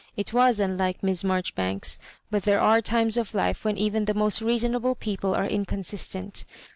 It was unlike Miss Marjoribanks ; but there are times of life when even the most rea sonable people are incon&isteut.